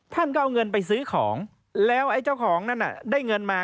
ท่านก็เอาเงินไปซื้อของแล้วไอ้เจ้าของนั้นได้เงินมา